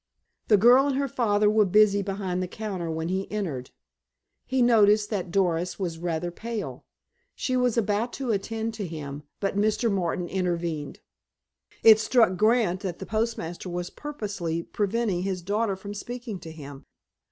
The girl and her father were busy behind the counter when he entered. He noticed that Doris was rather pale. She was about to attend to him, but Mr. Martin intervened. It struck Grant that the postmaster was purposely preventing his daughter from speaking to him.